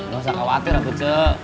gak usah khawatir ah bu cek